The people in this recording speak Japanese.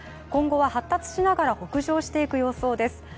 今後は発達しながら北上していく予想です。